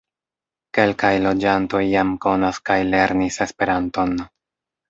Kelkaj loĝantoj jam konas kaj lernis Esperanton.